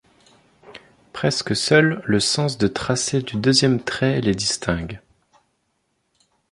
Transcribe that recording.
Presque seul le sens de tracé du deuxième trait les distingue.